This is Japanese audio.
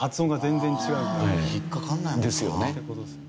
引っかからないもんな。ですよね。